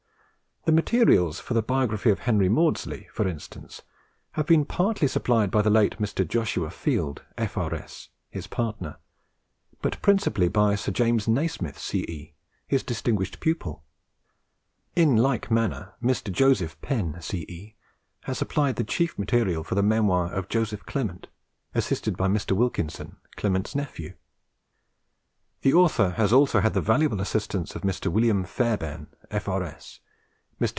The materials for the biography of Henry Maudslay, for instance, have been partly supplied by the late Mr. Joshua Field, F.R.S. (his partner), but principally by Mr. James Nasmyth, C.E., his distinguished pupil. In like manner Mr. John Penn, C.E., has supplied the chief materials for the memoir of Joseph Clement, assisted by Mr. Wilkinson, Clement's nephew. The Author has also had the valuable assistance of Mr. William Fairbairn, F.R.S., Mr.